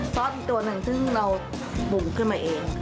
ซอสตัวหนึ่งนึงเราปงขึ้นมาเอง